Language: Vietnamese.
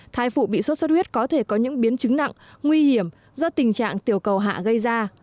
thai phụ bị sốt xuất huyết có thể có những biến chứng nặng nguy hiểm do tình trạng tiểu cầu hạ gây ra